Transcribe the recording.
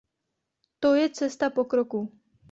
To je cesta pokroku.